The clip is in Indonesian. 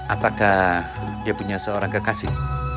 apakah dia punya seorang kekasih